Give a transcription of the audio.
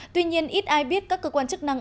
tuy nhiên ít ai biết các cơ quan chức năng